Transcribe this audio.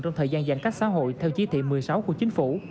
trong thời gian giãn cách xã hội theo chỉ thị một mươi sáu của chính phủ